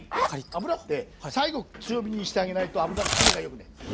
油って最後強火にしてあげないと油切れがよくないです。